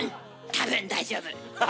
多分大丈夫。